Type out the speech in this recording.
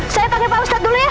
saya tanya pak ustadz dulu ya